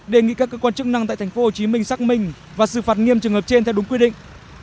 đề nghị các cơ quan chức năng tại tp hcm xác minh và xử phạt nghiêm trường hợp trên theo đúng quy định